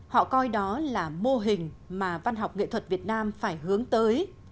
họ coi đó là mô hình mà văn học nghệ thuật việt nam phải hướng tới